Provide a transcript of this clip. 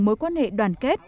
mối quan hệ đoàn kết